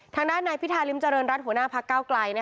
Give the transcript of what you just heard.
ทางด้านนายพิธาริมเจริญรัฐหัวหน้าพักเก้าไกล